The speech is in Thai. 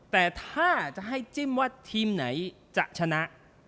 แต่ถ้าจะให้จิ้มว่าทีมไหนจะชนะ